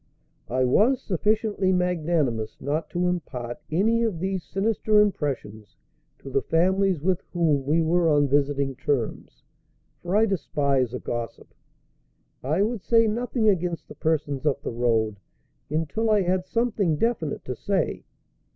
I was sufficiently magnanimous not to impart any of these sinister impressions to the families with whom we were on visiting terms; for I despise a gossip. I would say nothing against the persons up the road until I had something definite to say.